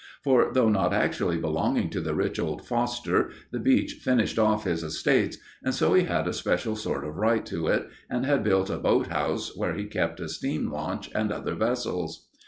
For though not actually belonging to the rich old Foster, the beach finished off his estates, and so he had a special sort of right to it, and had built a boat house, where he kept a steam launch and other vessels.